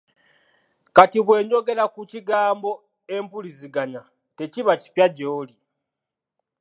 Kati bwe njogera ku kigambo empuliziganya tekiba kipya gy’oli.